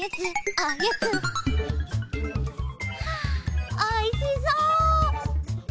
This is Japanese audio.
おいしそう！